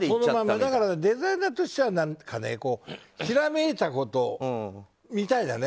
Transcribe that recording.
だから、デザイナーとしてはひらめいたことみたいなね。